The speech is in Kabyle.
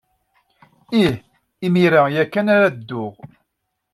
Ih. Imir-a ya kan ara dduɣ.